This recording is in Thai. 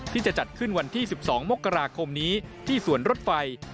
ที่จะจัดขึ้นวันที่๑๒มกราคมนี้ที่สวนรถไฟ